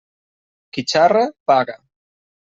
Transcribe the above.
Qui xarra, paga.